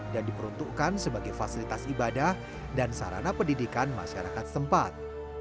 dan diperuntukkan sebagai fasilitas ibadah dan sarana pendidikan masyarakat tempat